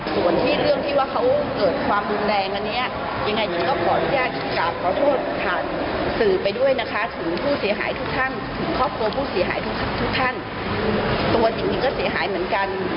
ส่วนที่เรื่องที่ว่าเขาเกิดความรุนแรงอันนี้ยังไงหญิงก็ขออนุญาตกราบขอโทษผ่านสื่อไปด้วยนะคะถึงผู้เสียหายทุกท่านถึงครอบครัวผู้เสียหายทุกทุกท่านตัวหญิงหญิงก็เสียหายเหมือนกัน